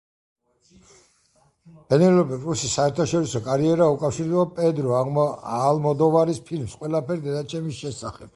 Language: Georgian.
პენელოპე კრუსის საერთაშორისო კარიერა უკავშირდება პედრო ალმოდოვარის ფილმს „ყველაფერი დედაჩემის შესახებ“.